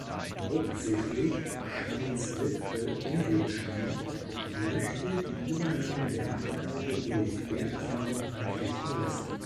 Hauptsächlich Scheins Witwe Ingrid Schein möchte die Übernahme der Anteile durch Bertram anfechten lassen.